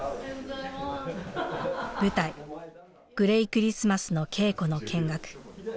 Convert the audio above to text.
舞台「グレイクリスマス」の稽古の見学。